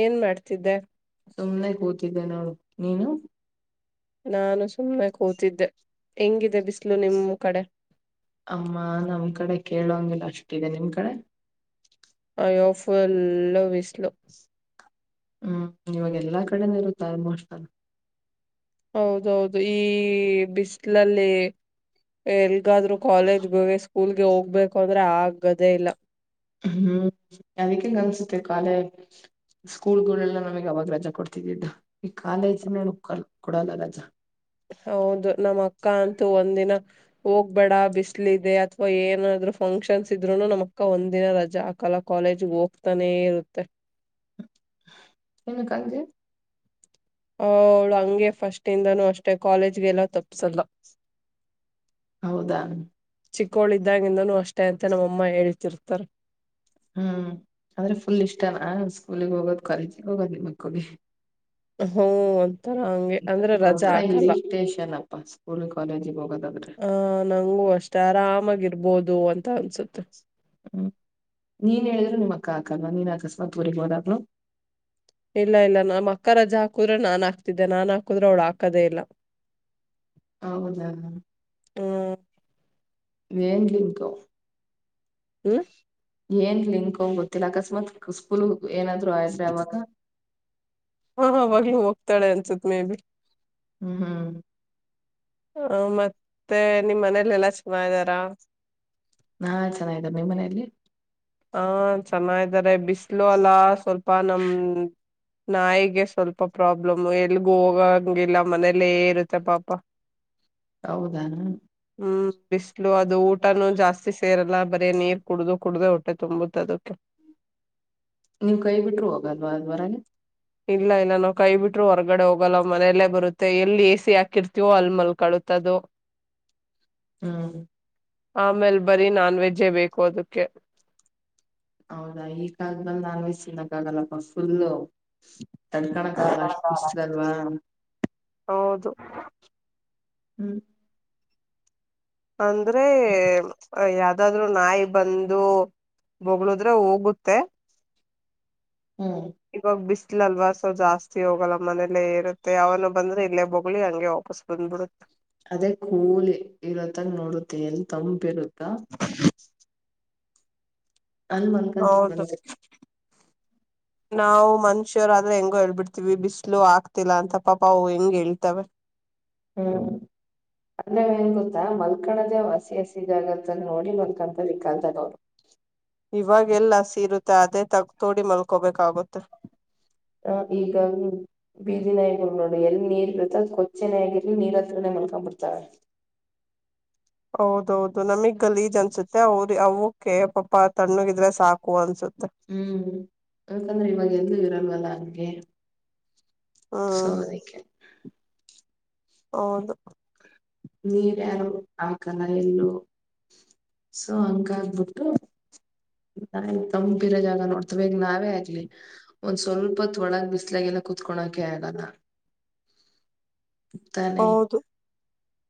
ಏನ್ ಮಾಡ್ತಿದ್ದೆ ಸುಮನೆ ಕೂತಿದ್ದೆ ನು ನೀನು ನಾನು ಸುಮ್ಮನೆ ಕೂತಿದ್ದೆ ಹೆಂಗಿದೆ ಬಿಸಿ್ಲು ನಿಮ್ಮ್ ಕಡೆ ಅಮ್ಮ ನಮ್ ಕಡೆ ಕೇಳೋಂಗಗೆಿಲ್ಲ ಅಷ್ಟಿದೆ ನಿಮ್ ಕಡೆ ಆಯೋಫಲ್ಲ ವಿಿಸಲು ಹ್ಮ್ ಇವಾಗ ಎಲ್ಲಾ ಕಡೆನ ಇರುತ್ತೆ ಆಮೋಸ್ಟ್ ಅಲ್ಲ ಹೌದೌದು ಈ ಬಿಸಿಲಲ್ಲಿ ಎಲ್ಗಾದ್ರು ಕಾಲೇಜ್ ಬ ಸ್ಕೂಲ್ಗೆ ಹೋಗ್ಬೇಕು ಅಂದ್ರೆ ಆಗದೇ ಇಲ್ಲ ಹ್ಮ್ ಅದಕ್ಕ ಕನಿಸುತ್ತ ಕ ಅಾಲ ಸ್ಕೂಲ್ ಗಳೆಲ್ಲ ನಮಗ್ ಅವಾಗ ರಜಾ ಕೊಡ್ತಿದ್ದಿದ್ದು ಈ ಕಾಲೇಜ್ಿನ ಉಕ್ಕ ಕೊಡಲ್ಲ ರಜಾ ಹೌದು ನಮ್ಮ ಅಕ್ಕ ಅಂತೂ ಒಂದಿನ ಹೋಗ್ಬೇಡ ಬಿಸ್ಲ ಇದೆ ಅಥವಾ ಏನಾದ್ರು ಫಂಕ್ಷನ್ಸ್ ಇದ್ರುನು ನಮಕ್ಕ ಒಂದ ದಿನ ರಜಾ ಆಗ್ತ ಕಲಾ ಕಾಲೇಜ್ಿಗೆ ಹೋಗ್ತಾನೆ ಇರುತ್ತೆ ನ ಕಜ ಅವೌಳ ಹಂಗೆ ಫಸ್ಟ್ ಇಿಂದಾನೂ ಅಷ್ಟೇ ಕಾಲೇಜ್ಗೆಲ್ಲ ತಪ್ಪಸಲ್ಲ ಹೌದಾ ಚಿಕ್ಕೋಳಿದ್ದಾಗಿಂದನೂ ಅಷ್ಟೇ ಅಂತ ನಮ್ಮಮ್ಮ ಹೇಳ್ತಿರ್ತಾರೆ ಹ್ಮ್ ಅಂದ್ರೆ ಫುಲ್ ಇಷ್ಟನಾ ಸ್ಕೂಲಿಗೆ ಹೋಗೋದ್ ಕಾಲೇಜಿಿಗೆ ಹೋಗೋದು ನಿಮ್ಮ ಮಕ್ಕಳಿಗೆ ಹ್ಮ ತರ ಹಂಗೆ ಅಂದ್ರೆ ರಜಾ ಒಂಥರ ಹಾಕಲ್ಲ ಇರಿಟೇಷನ್ ಅಪ್ಪ ಸ್ಕೂಲ್ ಕಾಲೇಜಿಗೆ ಹೋಗೋದಾದ್ರೆ ಆ ನಂಗು ಅಷ್ಟು ಆರಾಮಾಗಿರ್ಬೋದು ಅಂತ ಅನ್ಸುತ್ತೆ ಹ್ಮ್ ನೀನ್ ಹೇಳಿದ್ರು ನಿಮ್ಮ್ ಅಕ್ಕ ಹಾಕಲ್ವಾ ನೀನ್ ಅಕಸ್ಮಾತ್ ಊರಿಗೆ ಹೋದಾಗ್ಲು ಇಲ್ಲ ಇಲ್ಲ ನಮ್ಮ್ ಅಕ್ಕ ರಜಾ ಹಾಕುದ್ರೆ ನಾನ್ ಹಾತಿದ್ದೆ ನಾನ್ ಹಾಕುದ್ರೆ ಅವ್ಳು ಹಾಕದೇ ಇಲ್ಲ ಹೌದ ಹ್ಮ್ ವೇಂದಿಂಗ ಹ್ಮ ಏನ್ ಲಿಂಕ್ ಹೋಗ್ ಗೊತ್ತಿಲ್ಲ ಅಕಸ್ಮಾತ್ ಸ್ಕೂಲ್ ಏನಾದ್ರು ಆದ್ರೆ ಅವಾಗ ಹಾವಾಗ್ಲು ಹೋಗ್ತಾಳೆ ಅನ್ಸತ್ ಮೇ ಬಿ ಹ್ಮ್ ಹ್ಮ್ ಹ ಮತ್ತೆ ನಿಮ್ಮ್ ಮನೇಲೆ ಎಲ್ಲಾ ಚೆನ್ನ ಇದ್ದಾರಾ ನಾ ಚೆನ್ನಾಗಿದ್ದ ನಿ ಮನೆಯಲ್ಲಿ ಹಾ ಚೆನ್ನಾರೆ ಬಿಸ್ಲು ಅಲ್ಲ ಸ್ವಲ್ಪ ನಮ ನಾಯಿಗೆ ಸ್ವಲ್ಪ ಪ್ರಾಬ್ಲಮ್ ಎಲ್ಗ ಹೋಗಂಗಿಲ್ಲ ಮನೇಲ್ಲೇ ಇರುತ್ತೆ ಪಾಪ ಹೌದಾ ಹ್ಮ್ ಬಿಸಿ್ಲು ಅದು ಊಟನುೂ ಜಾಸ್ತಿ ಸೇರಲ್ಲ ಬರೀ ನೀರ್ ಕುಡ್ದು ಕುಡ್ದಟ ಮ ತುಂಬುತ್ತ ಅದಕ್ಕೆ ನೀವು್ ಕೈ ಬಿಟ್ರು ಹೋಗಲ್ವಾ ಅದ್ರ ಇಲ್ಲ ಇಲ್ಲ ನಾವು ಕೈ ಬಿಟ್ರರು ಹೊರ್ಗಡೆ ಹೋಗಲ್ಲ ಮನೆಯಲ್ಲೇ ಬರುತ್ತೆ ಎಲ್ಲಿ ಎ ಸಿಿ ಹಾಕಿರ್ತೀವೋ ಅಲ್ ಮಲ್ಕಳುತ್ತ ತದು ಹ್ಮ್ ಆಮೇಲ್ ಬರೀ ನಾನ್ ವೆಜ್ಜೇ ಬೇಕು ಅದಕ್ಕೆ ಹೌದಾ ಈಗಾದ್ಮೇಲ್ ನಾವಯಸ್ಿನಕ್ಕ ಆಗಲ್ಲಪ್ಪ ಫುಲ್ಲ ತಡ್ಕಣಕಲ್ಲ ಅಷ್ಟು ಇಿಸ್ರಲ್ವಾ ಹೌದು ಹ್ಮ್ ಅಂದ್ರೆ ಯಾವ್ದಾದ್ರು ನಾಯಿ ಬಂದು ಬಗ್ಳದ್ರೆ ಹೋಗುತ್ತೆ ಹ್ಮ್ ಇವಾಗ ಬಿಸಲಲ್ವಾ ಸೊ ಜಾಸ್ತಿ ಹೋಗಲ್ಲ ಮನೇಲ್ಲೇ ಇರುತ್ತೆ ಅವನು ಬಂದ್ರೆ ಇಲ್ಲೇ ಬೋಗಲಿ ಹಂಗೆ ವಾಪಸ್. ದು ಬಿಡ. ಅದೇ ಕೂಲಿ ಇರತ್ತಾಗ ನೋಡುತ್ತೆ ಎಲ್ಲಿ ತಂಪಿರುತ್ತಾ. ಹ. ಅಲ್ ಮಲ್ಕಂತ ಹೌದು. ಬಂದೆ ನಾವು ಮನುಷ್ಯರ ಆದ್ರೆ ಹೆಂಗೋ ಹೇಳ್ಬಿಡ್ತವಿ ಬಿಸಿಲು ಆಗ್ತಿಲ್ಲ ಅಂತ ಪಾಪಾ ಅವು ಹೆಂಗ ಹೇಳ್ತವೆ. ಹ್ಮ್. ಅಂದ್ರ ಏನ್ ಗೊತ್ತಾ ಮಲ್ಕಣದ ಹಸಿ ಹಸಿ ಜಾಗತ್ತಲ್ಲಿ ನೋಡಿ ಬರ್ಕಂತ ದಿಕ್ಕಾಂತಗ ಅವರು. ಇವಾಗೆಲ್ಲ ಸೀರುತ್ತೆ ಅದೇ ತಗ ತೋಡಿ ಮಲ್ಕೊಬೇಕಾಗುತ್ತೆ. ಹ ಈಗ ಹ್ಮ್. ಬೀದಿಿನಾಯ ನೋಡಿ ಎಲ್ಲಿ ನೀರ್ ಇರುತ್ತ ಅ ಕೊಚ್ಚೆನೇ ಆಗಿರ್ಲಿ ನೀರ್ ಹತ್ರನೇ ಮಲ್ಕೊಂಡ್ ಬಿಡ್ತಾವೆ. ಹೌದೌದು ನಮಗ್ಗಲ್ಲಿ ಈಜ್ ಅನ್ಸುತ್ತೆ. ಮತ್ತೆ ಅವ್ರ ಅವಕ್ಕೆ ಪಾಪ ತಣ್ಣಗಿದ್ರೆ ಸಾಕು ಅನ್ಸುತ್ತೆ ಹ್ಮ್ ಯಾಕಂದ್ರೆ ಇವಾಗ ಎಂದೂ ಇರಲ್ವಲ್ಲ ಅನ್ಗೆ ಹ್ಮ್ ಸೋದಕ್ಕೆ ಹೌದು ನೀರ್ ಯಾರು ಆ ಕಲ ಎಲ್ಲು ಸೊ ಅಂಕಾಗಬಿಟ್ಟು ನಾ ಗಂಭೀರ ಜಾಗ ನೋಡ್ತವೆಗ ನಾವೇ ಆಗ್್ಲಿ ಒಂದ್ ಸ್ವಲ್ಪ ತ ಒಳಗ ಬಿಸ್ಲಾಗಲ್ಲ ಕುೂತ್ಕೊಳಕೆ ಆಗಲ್ಲ ತಾನೆ. ಹೌದು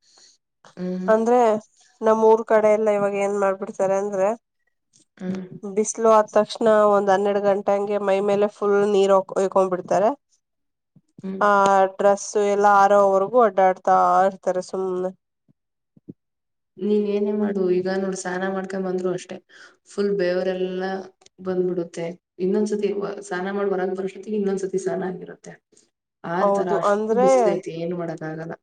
ಹ. ಅಂದ್ರೆ ನಮ ಊರ್ ಕಡೆ ಎಲ್ಲ ಇವಾಗ ಏನ್ ಮಾಡ್ಬಿಡ್ತಾರೆ ಅಂದ್ರೆ. ಹ್ಮ. ಬಿಸಿಲು ಆದ ತಕ್ಷಣ ಒಂದ್ ಹನ್ನೆರಡ್ ಗಂಟೆ ಹಂಗೆ ಮೈ ಮೇಲೆ ಫುಲ್ ನೀರ್ಯ್ಕೊಂಡ್ಬ ಬಿಡ್ತಾರೆ. ಹ್ಮ್ ಹ ಡ್ರೆಸ್ಸು ಎಲ್ಲ ಆರೋವರ್ಗೂ ಓಡ್ಡಾಡ್ತಾ ಇರ್ತಾರೆ ಸುಮ್ಮ್ನೆ. ನೀನ್ ಏನೇ ಮಾಡು ಈಗ ನೋಡ್ ಸ್ನಾನ ಮಾಡ್ಕೊಂಡ್ ಬಂದ್ರು ಅಷ್ಟೆ ಫುಲ್ ಬೇವರೆಲ್ಲಾ. ಬಂದ್ಬಿಡುತ್ತೆ ಇನ್ನೊಂದ್ಸತಿ ಸ್ನಾನ ಮಾಡ್ ಬರಂದ್ ಬರೊತ್ತ ಇನ್ನೊಂದ್ಸತಿ ಸ್ನಾನ ಆಗಿರುತ್ತೆ. ಆತರ ಹೌದು ಅಷ್ಟು ಅಂದ್ರೆ ಬಿಸಲಐತಿ ಏನ್ ಮಾಡಕ್ಕ ಆಗಲ್ಲ.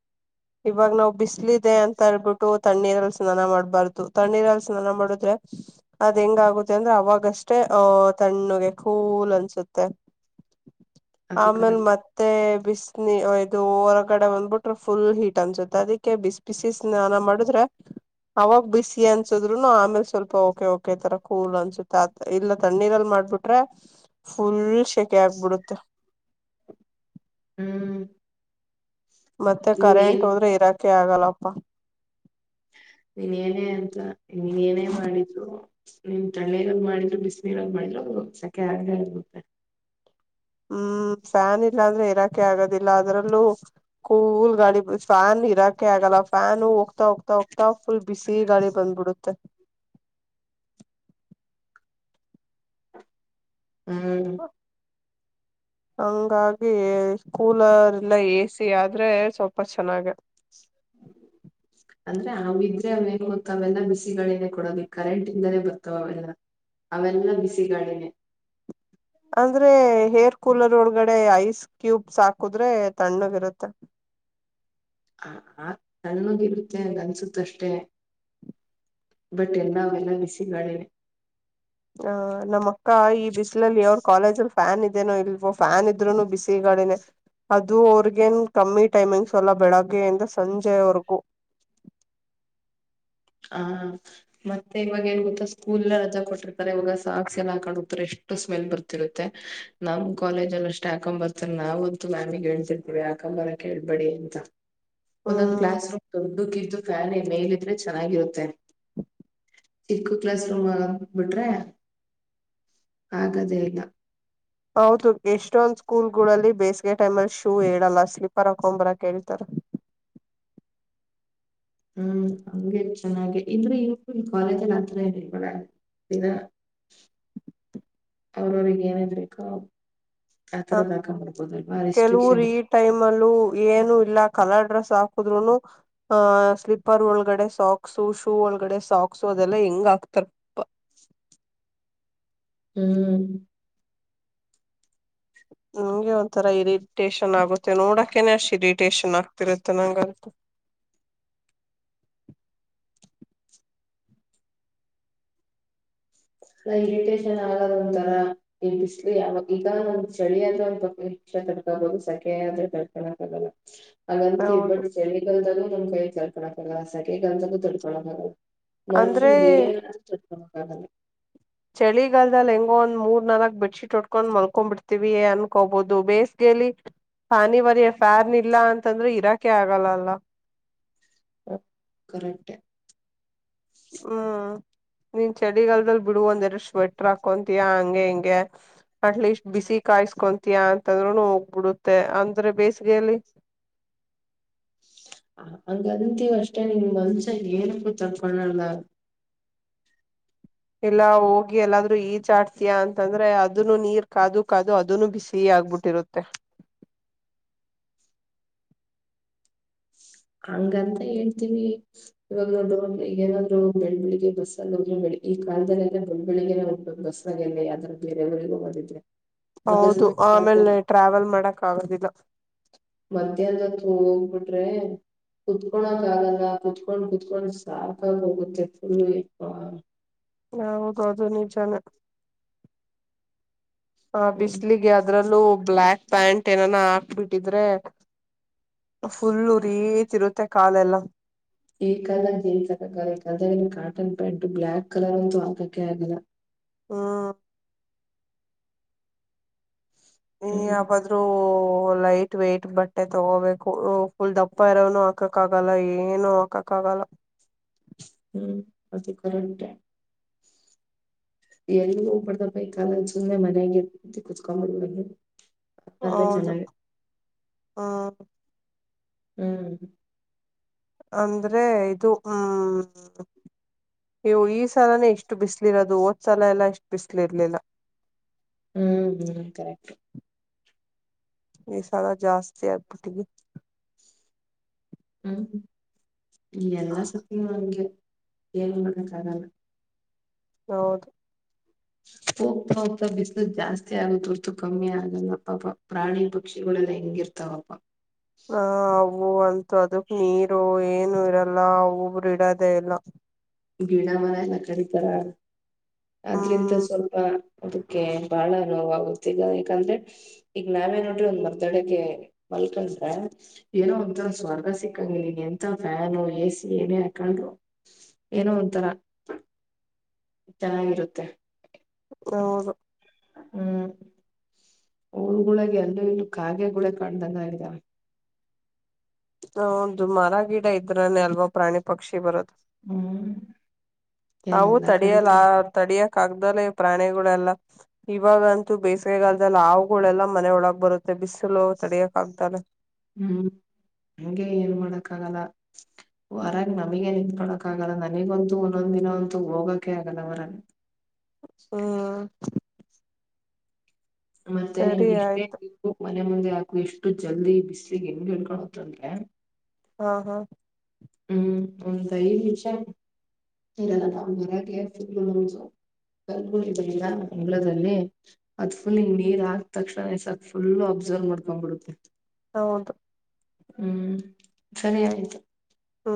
ಇವಾಗ ನಾ್ ಬಿಸ್ಲ ಇದೆ ಅಂತ ಹೇಳ್ಬಿಟ್ಟು ತಣ್ಣೀರಲ್ಲಿ ಸ್ನಾನ ಮಾಡ್ಬಾರ್ದು. ತಣ್ಣೀರ ಹಲ್ಸನ ಮಾಡುದ್ರೆ. ಅದ್ ಹೆಂಗಾಗುತ್ತೆ ಅಂದ್ರೆ ಅವಾಗಷ್ಟೇ ಅಹ ತಣ್ಣುಗೆ ಕೂಲ್ ಅನ್ಸುತ್ತೆ. ಅದು ಆಮೇಲ್ ಕರೆಕ್ಟ್ ಮತ್ತೆ ಬಿಸನಿ ಇದು ಹೊರಗಡೆ ಬಂದ್ಬಿಟ್ರೆ ಫುಲ್ ಹಿಟ್ ತನ್ಸುತ್ತೆ ಅದಕ್ಕೆ ಬಿಸ್ ಬಿಸ ನಾನ ಮಾಡುದ್ರೆ ಅವಾಗ ಬಿಸಿ ಅನ್ಸುದ್ರುನು ಆಮೇಲೆ ಸ್ವಲ್ಪ ಓಕೆ ಓಕೆ ತರ ಕೂಲ್ ಅನ್ಸುತ್ತೆ ಅ ಇಲ್ಲ ತಣ್ಣೀರಲ್ಲಿ ಮಾಡ್ಬಿಟ್ರೆ ಫುಲ್ ಸೆಕೆ ಆಗ್ಬಿಡುತ್ತೆ ಹ್ಮ್ ಮತ್ತೆ ನೀನ್ ಕರೆಂಟ್ ಏನ್ ಹೋದ್ರೆ ಇರಾಕೆ ಆಗಲ್ಲಪ್ಪ ನೀನೆನೆ ಅಂತ ನೀನೆನೇ ಮಾಡಿದ್ರು ನಿವು ತಣೆರಲ್ ಮಾಡಿದ್ರು ಬಿಸ್ನಿರಲಿ ಮಾಡಿದ್ರು ಸಕೆ ಆಗೆ ಆಗುತ್ತೆ ಹ್ಮ್ ಫ್ಯಾನ್ ಇಲ್ಲ ಅಂದ್ರೆ ಇರಾಕೆ ಆಗೋದಿಲ್ಲ ಅದ್ರಲ್ಲೂ ಕೂಲ್ ಗಾಡಿ ಫ್ಯಾನ್ ಇ ಇರಾಕೆ ಆಗಲ್ಲ ಫ್ಯಾನ್ ಹೋಗ್ತಾ ಹೋಗ್ತಾ ಹೋಗ್ತಾ ಫುಲ್ ಬಿಸಿ ಗಾಳಿ ಬಂದ್ಬಿಡುತ್ತೆ ಹ್ಮ [unintelligible] ಹಂಗಾಗಿ ಕೂಲರ್ಂದ ಎ ಸಿ ಆದ್ರೆ ಸ್ವಲ್ಪ ಚೆನ್ನಾಗ [unintelligible] ಅಂದ್ರೆ ಅವ ಇದ್ರೆ ಅವೇಂಗ ಗೊತ್ತ ಅವೆಲ್ಲ ಬಿಸಿಗಳನೆೇ ಕೊಡೋದು ಕರೆಂಟ್ ಇಂದಾನೇ ಬರ್ತಾವ ಅವೆಲ್ಲ ಅವೆಲ್ಲ ಬಿಸಿಗಾಳಿನೆ ಅಂದ್ರೆ ಹೇರ್ ಕೂಲರ್ ಒಳಗಡೆ ಐಸ್ ಕ್ಯೂಬ್ಸ್ ಹಾಕುದ್ರೆ ತಣ್ಣಗಿರುತ್ತೆ ಆ ಆ ಸಣ್ಣಗಿರುತ್ತೆ ಅನ್ಸುತ್ತ ಅಷ್ಟೆ ಬಟ್ ಎಲ್ಲ ಅವೆಲ್ಲ ಬಿಸಿಗಳೇ ಅಹ ನಮ್ಮಕ್ಕ ಈ ಬಿಸಿಲಲ್ಲಿ ಅವರು ಕಾಲೇಜಲ್ಲಿ ಫ್ಯಾನ್ ಇದದೆೇನೋ ಇಲ್ವ ಫ್ಯಾನ್ ಇದ್ರುನು ಬಿಸಿಾಡಿನನೆ ಅದು ಅವ್ರಿಗೇನ್ ಕಮ್ಮಿ ಟೈಮಿಂಗ್ಸ್ ಅಲ್ಲ ಬೆಳಗ್ಗೆಯಿಂದ ಸಂಜೆವರ್ಗೂ ಹ ಮತ್ತೆ ಇವಾಗ ಏನ್ ಗೊತ್ತಾ ಸ್ಕೂಲ್ ರಜಾ ಕೊಟ್ಟಿರ್ತಾರೆ ಇವಾಗ ಸಾಕ್ಸ್ ಎಲ್ಲ ಹಾಕಡತಾರೆ ಎಷ್ಟ ಸ್ಮೆಲ್ ಬರ್ತಿರುತ್ತೆ ನಮ್ ಕಾಲೇಜ ಅಲ್ಲಿ ಅಷ್ಟ ಹಾಕೊ್ ಬರ್ತಾರೆ ನಾವವು ಅಂತು ಮ್ಯಾಮಿಿಗೆ ಹೇಳ್ತಿವಿ ಆಕಂಬಲ ಕೇೇಳಬೇಡಿ ಅಂತ ಒಂದೊಂದಂದು ಹ್ಮ್ ಕ್ಲಾಸ್ ರೂಮ್ ದೊಡ್ಡು ಕ್ದು ಫ್ಯಾನ್ ಇ ಮೇಲೆ ಚೆನ್ನಾಗಿರುತ್ತೆ ಚಿಕ್ಕು ಕ್ಲಾಸ್ ರೂಮ್ ಬಿಟ್ರೆ ಆಗದೇ ಇಲ್ಲ ಹೌದು ಎಷ್ಟೊಂದ್ ಸ್ಕೂಲ್ ಗಳಲ್ಲಿ ಬೇಸಿಗೆ ಟೈಮ್ ಅಲ್ಲಿ ಶೂ ಹೇಳಲ್ಲ ಸ್ಲೀಪರ್ ಹಾಕೊಂಡಂಬರಕ್ ಹೇಳ್ತಾರ ಹ್ಮ್ ಹಗೆ ಚೆನ್ನಾಗೆ ಇಂದ್ರೆ ಇವ ಕಾಲೇಜಲ್ ಹತ್ರ ಏನ ಇಲ್ಬಳ ಈಗ ಅವ್ರವ್ರಿಗೆ ಏನಿದಬೇಕಾ ಹ ಯತರ ಬಾಕ್ಬೋ ಅಲ್ವಾ ಕೆಲವರು ರಿಸ್ಟ್ರಿಕ್ಷನ್ ಇ ಈ ಟೈಮ್ ಅಲ್ಲೂ ಏನು ಇಲ್ಲ ಕಲರ್ ಡ್ರೆಸ್ ಹಾಕುದ್ರುನು ಆ ಸ್ಲೀಪರ್ ಒಳಗಡೆ ಸಾಕ್ಸು ಶೂ ಒಳಗಡೆ ಸಾಕ್ಸು ಅದೆಲ್ಲಾ ಹೆಂಗ್ ಆಗ್ತಾರೆ ಹ್ಮ್ [unintelligible] ನಂಗೆ ಒಂಥರ ಇರಿಟೇಷನ್ ಆಗುತ್ತೆ ನೋಡಕನೆ ಅಷ್ಟು ಇರಿಟೇಷನ್ ಆಗ್ತಿರುತ್ತೆ ನಂಗತು ಎಲ್ಲ ಇರಿಟೇಷನ್ ಆಗದ ಒಂತರ ಈ ಬಿಸಿ್ಲು ಯಾವಾಗ ಈಗ ಒಂದ ಚಳಿ ಆದ್ರೆ ಒಂದ ಪಕ್ಷ ತಡ್ಕೊಬಹದು ಸಕೆ ಆದ್ರೆ ತಡ್ಕೊಕ್ ಆಗಲ್ಲ [unintelligible] ಅ ಗಂಂತ ಹೌದು ಬಟ್ ಚಳಗಾಲದಲು ನಮಕೖ ತಡಕಣಾಗಲ್ಲ ಸೆಕೆಗಾಲದಲು ತಡ್ಕಕಾಣಾಗಲ್ಲ ಮನುಷು ಅಂದ್ರೆ ಏನು ಆದ್ರು ತಡ್ಕಲಗಲ್ಲ ಚಳಿಗಾಲದಲ್ಲಿ ಹೆಂಗೋ ಒಂದ್ ಮೂರ್ ನಾಲ್ಕ್ ಬೆಡ್ಶೀಟ್ ಹೊಟ್ಕೊಂಡ್ ಮಲ್ಕೊ್ಬಿಡ್ತೀವಿ ಅನ್ಕೋಬಹುದು ಬೇಸಗೆಯಲ್ಲಿ ಫಾನು ಬರಿ ಫನ್ ಇಲ್ಲ ಅಂತಂದ್ರೆ ಇರಾಕೆ ಆಗಲ್ಲಲ್ಲ ಕರೆಕ್ಟ್ೆ [inaudible] ಹ್ಮ್ ನೀನ್ ಚಳಿಗಾಲದಲ್ಲಿ ಬಿಡು ಒಂದ್ೆರಡು ಸ್ವೆಟರ್ ಹಾಕೊಂತಯಾ ಹಂಗೆ ಹಿಂಗೆ ಅಟ್ಲೀಸ್ಟ್ ಬಿಸಿ ಕಾಯಸ್ಕೊತಯಾ ಅಂತಂದರೂ ಹೋಗ್ಬಿಡುತ್ತೆ ಅಂದ್ರೆ ಬೇಸಿಗೆಯಲ್ಲಿ ಹಂಗ ಅಂತೀವ ಅಷ್ಟೇ ನಿ [inaudible] ಮಂದಷ ಏನುಪೂ ತಕೊಂಡಲ್ಲ ಎಲ್ಲಾ ಹೋಗಿ ಎಲ್ಲಾದ್ರೂ ಈಜಾಡ್ತಿಯಾ ಅಂತಂದ್ರೆ ಅದನ್ನು ನೀರ್ ಕಾದು ಕಾದು ಅದನು ಬಿಸಿ ಆಗ್ಬಿಟ್ಟು ಇರುತ್ತೆ ಹಂಗಂತ ಹೇಳ್ತೀವಿ ಇವಾಗ ದೊಡ್ಡ ಈಗ ಏನಾದ್ರು ಬೆಳ್ಬಿಳಗ್ಗೆ ಬಸ್ ಅ ಹೋಗಿ ಈ ಕಾಲದಲ್ಲೆಲ್ಲ ಬೆಳ್ಳಗ್ನೇ ಹ್ಬೇಕ ಬಸ್ ಯ್ರೂ ಬೇರೆಯವ್ರಗೋಗೋದಿದ್ರೆ ಹೌದು ಆಮೇಲೆ ಟ್ರಾವೆಲ್ ಮಾಡಕ್ ಆಗದಿಲ್ಲ ಮಧ್ಯಾಹ್ ಹತ್ ಹೋಗ್ಬಿಟ್ರೆ ಕುತ್ಕೋಳಕ್ ಆಗಲ್ಲ ಕುತ್ಕೊಂಡ್ ಕುತ್ಕೊಂಡ್ ಸಾಕಾಗ ಹೋಗುತ್ತೆ ಫುಲ್ ಹ ಹೌದೌದು ನೀವ್ ಜನ ಹ ಹ್ಮ್ ಬಿಸಿ್ಲಿಗೆ ಅದ್ರಲ್ಲೂ ಬ್ಯಾಕ್ ಪ್ಯಾಂಟ್ ಏನಾನ ಹಾಕ್ಬಿಟ್ಟಿದ್ರೆ ಫುಲ್ಲುರಿತಿ ಇರುತ್ತೆ ಕಾಲೆಲ್ಲ ಈಕಾದಾಗ ಜೇನ್ಸ್ ಆಗಾಗ ಕಾದನ್ ಕಾಟನ್ ಪ್ಯಾಂಟ್ ಬ್ಲ್ಯಾಕ್ ಕಲರ್ ಅಂತೂ ಹಾಕಕ್ಕೆ ಆಗಲ್ಲ ಹ್ಮ್ಮ್ ಈ ಹ್ಮ್ ಯಬಾದ್ರೂ ಲೈಟ್ ವೇಟ್ ಬಟ್ಟೆ ತಗೋಬೇಕು ಫುಲ್ ದಪ್ಪ ಇರೋನು ಹಾಕಕ್ ಆಗಲ್ಲ ಏನು ಹಾಕಕ್ ಆಗಲ್ಲ ಹ್ಮ್ ಅದು ಕರಡಟ ಎಲ್ಲ ಹೋಗ್ಬಡ್್ದ ಬೈ ಕಾಲ ಸುಮ್ಮ್ನೆ ಮನ್ಯಾಗರ್ತ ಕುತ್ಕೊಂಬಿಬ ಹೌದು ಹ್ಮ ಹ್ಮ್ ಅಂದ್ರೆ ಇದು ಹ್ಮ್ ಯ್ಯೋ ಈ ಸಲಾನೇ ಎಷ್ಟು ಬಿಸ್ಲಿ ಇರೋದು ಓದ್ ಸಲ ಎಲ್ಲಾ ಎಷ್ಟು ಬಿಸ್ಲಿ ಇರ್ಲಿಲ್ಲ ಹ್ಮ್ ಹ್ಮ್ ಕರೆಕ್ಟ್ ಈ ಸದ ಜಾಸ್ತಿ ಯ ಪುಟ್ಟಿಗೆ ಹ್ಮ್ ಎಲ್ಲ ಸತಿಂಗ ನಮ್ಗೆ ಏನ್ ಮಾಡಕ್ಕ ಆಗಲ್ಲ ಹೌದು ಹೋಗ್ತಾ ಹೋಗ್ತಾ ಬಿಸ್ನೆಸ್ ಜಾಸ್ತಿ ಆಗುತ್ತ ಹೊರ್ತು ಕಮ್ಮಿ ಆಗಲ್ಲಪ್ಪ ಪ್ರಾಣಿ ಪಕ್ಷಿಗಳೆಲ್ಲ ಹೆಂಗಿರ್ತ ತಪ್ಪ ಹ ಅವು ಅಂತೂ ಅದಕ್ ನೀರು ಏನು ಇರಲ್ಲ ಅವುರು ಇಡದೆೇ ಇಲ್ಲ ಗಿಣ ಮನ ಎಲ್ಲ ಕಡಿತಾರ ಆದ್ರಿಂದ ಹ್ಮ್ ಸ್ವಲ್ಪ ಅದಕ್ಕೆ ಬಹಳ ನೋವಾಗುತ್ತೆ ಈಗ ಯಾಕಂದ್ರೆ ಈಗ ನಾವೇ ನೋಡ್ರಿ ಒಂದ್ ಮರ್ದಡೆಗೆ ಮಲ್ಕೊಂಡ್ರ ಏನೋ ಒಂಂತ ಸ್ವರ್ಗ ಸಿಕ್ಕಂಗ ನೀನ್ ಎಂತ ಫ್ಯಾನ್ ಎ ಸಿ ಏನೇ ಹಾಕೊಂಡ್ರು ಏನೋ ಒಂತರ ಚೆನ್ನಾಗಿರುತ್ತೆ ಹೌದು ಹ್ಮ್ ಊರುಗಳಳಗೆ ಎಲ್ಲೂ ಇಲ್ಲೂ ಕಾಗೆಗಳುಳೆ ಕಂಡ್ದಂಗ ಇದ್ದಾವ ಹ ಒದು ಮರ ಗಿಡ ಇದ್ರನೆೆ ಅಲ್ವಾ ಪ್ರಾಣಿ ಪಕ್ಷಿ ಬರದು ಹ್ಮ್ ಎಲ್ಲ ತಡಿಯಲ್ಲ ಕಡಿತಾರೆ ತಡಿಯಕ್ ಆಗ್ದಲ್ಲ ಪ್ರಾಣಿಗಳೆಲ್ಲ ಇವಾಗಂತೂ ಬೇಸಿಗೆಗಲ್ದಲ್ಲಿ ಆಾಗಳೆಲ್ಲಾ ಮನೆ ಒಳಗ ಬರುತ್ತೆ ಬಿಸಿಲು ತಡಿಯಕ್ ಆಗ್ತಾನ ಹ್ಮ್ ಹಗೆ ಏನ್ ಮಾಡಕ್ಕ ಆಗಲ್ಲ ಹೊರಾಗ ನಮಗ ನಿಂಕೊಳಕ್ ಆಗಲ್ಲ ನನಗಂತೂ ಒಂದೊಂದ್ ದಿನ ಅಂತೂ ಹೋಗಕ ಆಗಲ್ಲ ಹೊರಗ್ ಹ್ಮ್ ಮತ್ತೆ ಸರಿ ನಿನ್್ಗೆ ಆಯ್ತು ಎಷ್ಟೇು ಮನೆ ಮುಂದೆ ಹಾಕು ಎಷ್ಟು ಜಲ್ದಿ ಬಿಸ್ಲಿಿಗೆ ಹೆಂಗ್ ಹಳ್ಕೊತ್ತಂದ್ರೆ ಹಾ ಹಾ ಹ್ಮ್ ಒಂತ ಈ ವಿಚ ಕಲಗುಡಲ್ಲಿರ ಬೆಂಗ್ಲದಲ್ಲಿ ಅದ್ಫುಲ್ಂಗ ನೀರ್ ಆದ ತಕ್ಷಣಸಕ್ ಫುಲ್ ಅಬ್ಸರ್ವ್ ಮಾಡ್ಕೊಂಡ್ಬಿಡುತ್ತೆ ಹೌದು ಹ್ಮ್ ಸರಿಯಯತು ಹಾ